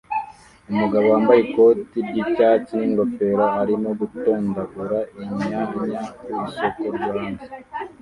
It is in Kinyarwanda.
Umugabo wambaye ikoti ry'icyatsi n'ingofero arimo gutondagura inyanya ku isoko ryo hanze